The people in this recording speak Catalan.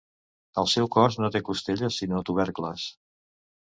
El seu cos no té costelles sinó tubercles.